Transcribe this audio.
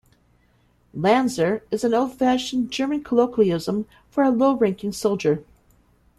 "Landser" is an old-fashioned German colloquialism for a low-ranking soldier.